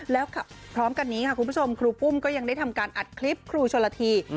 แล้วพร้อมกันนี้ค่ะคุณผู้ชมครูปุ้มก็ยังได้ทำการอัดคลิปครูชนละที